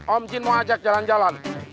om jin mau ajak jalan jalan